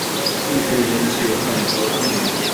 一直延续至汉朝初年。